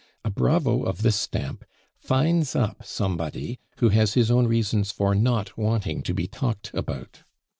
A bravo of this stamp finds up somebody who has his own reasons for not wanting to be talked about.